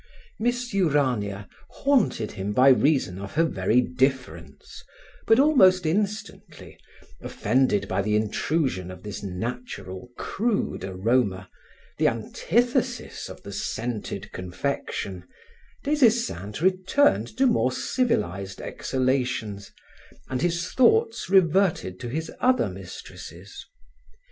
Miss Urania haunted him by reason of her very difference, but almost instantly, offended by the intrusion of this natural, crude aroma, the antithesis of the scented confection, Des Esseintes returned to more civilized exhalations and his thoughts reverted to his other mistresses.